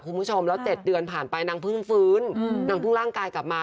คุณผู้ชมแล้ว๗เดือนผ่านไปนางเพิ่งฟื้นนางเพิ่งร่างกายกลับมา